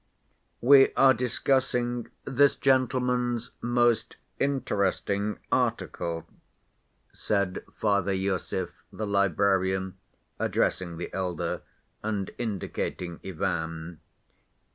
"We are discussing this gentleman's most interesting article," said Father Iosif, the librarian, addressing the elder, and indicating Ivan.